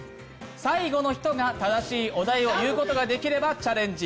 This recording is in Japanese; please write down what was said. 最後の人が正しいお題を言うことができればチャレンジ